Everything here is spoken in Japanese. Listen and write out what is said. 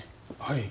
はい。